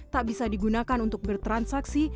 tak bisa digunakan untuk bertransaksi